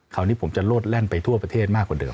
คราวนี้ผมจะโลดแล่นไปทั่วประเทศมากกว่าเดิ